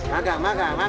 makan makan makan makan